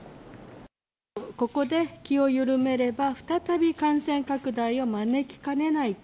ここで気を緩めれば、再び感染拡大を招きかねないと。